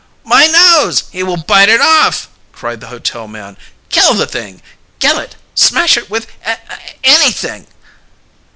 "My nose! He will bite it off!" cried the hotel man. "Kill the thing, Gillett smash it with a a anything!"